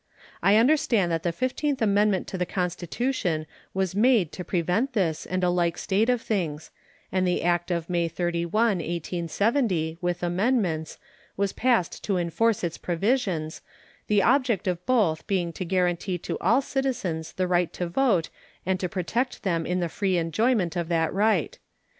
I understand that the fifteenth amendment to the Constitution was made to prevent this and a like state of things, and the act of May 31, 1870, with amendments, was passed to enforce its provisions, the object of both being to guarantee to all citizens the right to vote and to protect them in the free enjoyment of that right.